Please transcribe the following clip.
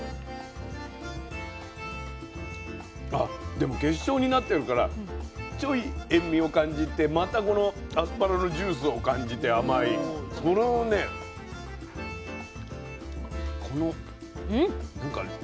でも結晶になってるからちょい塩味を感じてまたこのアスパラのジュースを感じて甘いこのリズムがいいですね。